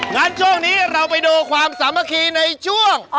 งั้นช่วงนี้เราไปดูความสามัคคีในช่วง